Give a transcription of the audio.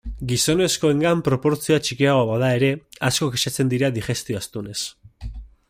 Gizonezkoengan proportzioa txikiagoa bada ere, asko kexatzen dira digestio astunez.